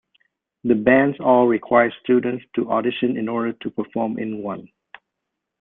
The bands all require students to audition in order to perform in one.